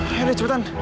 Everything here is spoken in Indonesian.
ayo deh cepetan